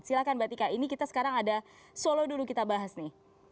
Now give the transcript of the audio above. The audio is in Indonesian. silahkan mbak tika ini kita sekarang ada solo dulu kita bahas nih